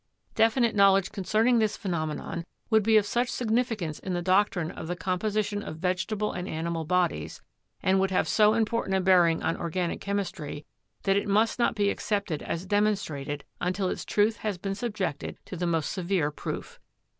... Definite knowledge concerning this phenomenon would be of such significance in the doctrine of the composition of vege table and animal bodies, and would have so important a bearing on organic chemistry, that it must not be accepted as demonstrated until its truth has been subjected to the most severe proof.